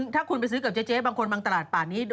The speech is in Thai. ถ้าคุณไปซื้อกับเจ๊บางคนบางตลาดป่านนี้